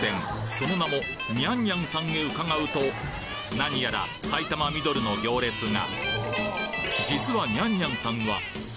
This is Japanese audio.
その名も娘々さんへ伺うと何やら埼玉ミドルの行列が！